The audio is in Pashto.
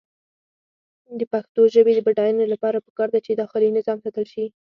د پښتو ژبې د بډاینې لپاره پکار ده چې داخلي نظام ساتل شي.